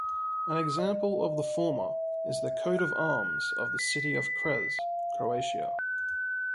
An example of the former is the coat-of-arms of the city of Cres, Croatia.